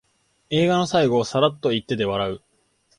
映画の最後をサラッと言ってて笑う